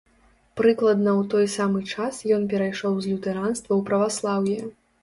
Прыкладна ў той самы час ён перайшоў з лютэранства ў праваслаўе.